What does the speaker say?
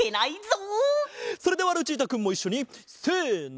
それではルチータくんもいっしょにせの。